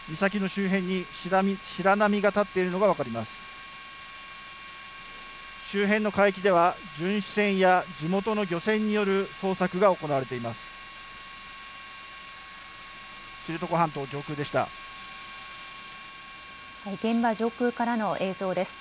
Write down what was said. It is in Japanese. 周辺の海域では巡視船や地元の漁船による捜索が行われています。